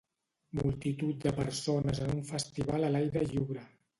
Multitud de persones en un festival a l'aire lliure.